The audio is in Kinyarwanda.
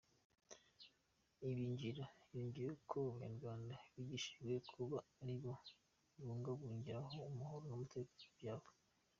Ibingira yongeyeho ko abanyarwanda bigishijwe kuba aribo bibungabungira amahoro n’umutekano byabo.